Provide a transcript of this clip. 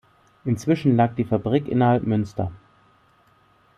Inzwischen lag die Fabrik innerhalb Münster.